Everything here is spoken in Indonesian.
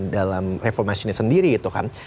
dalam reformation nya sendiri itu kan